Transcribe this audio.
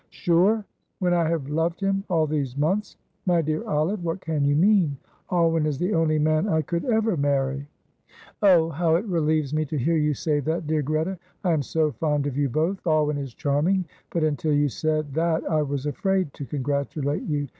"Sure! when I have loved him all these months. My dear Olive, what can you mean? Alwyn is the only man I could ever marry." "Oh, how it relieves me to hear you say that Dear Greta, I am so fond of you both. Alwyn is charming; but until you said that I was afraid to congratulate you.